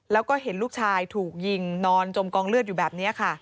แล้วก็เห็นลูกชายถูกยิงนอนจมกองเลือดอยู่แบบนี้ค่ะ